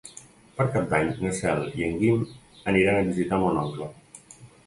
Per Cap d'Any na Cel i en Guim aniran a visitar mon oncle.